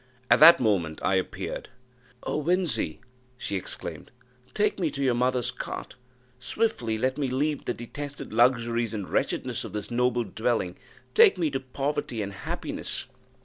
At that moment I appeared. "Oh, Winzy!" she exclaimed, "take me to your mother's cot; swiftly let me leave the detested luxuries and wretchedness of this noble dwelling take me to poverty and happiness."